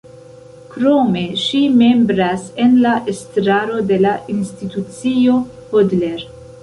Krome ŝi membras en la estraro de la Institucio Hodler.